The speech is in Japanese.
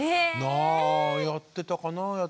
あぁやってたかなぁ。